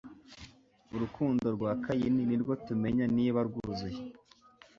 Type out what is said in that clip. Urukundo rwa Kayini nirwo tu tamenya niba rwuzuye